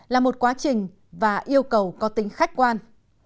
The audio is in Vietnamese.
là một quá trình và yêu cầu có tính khách quan